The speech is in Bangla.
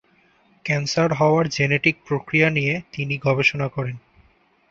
ক্যান্সার হওয়ার জেনেটিক প্রক্রিয়া নিয়ে তিনি গবেষণা করেন।